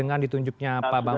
sudah ditunjuknya pak bambang